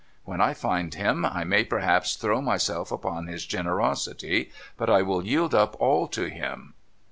'When I find him, I may perhaps throw myself upon his generosity ; but I will yield up all to him.